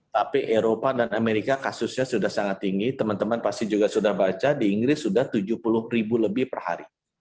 tapi eropa dan amerika kasusnya sudah sangat tinggi teman teman pasti juga sudah baca di inggris sudah tujuh puluh ribu lebih per hari